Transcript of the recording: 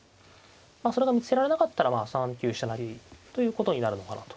それが見つけられなかったら３九飛車成ということになるのかなと。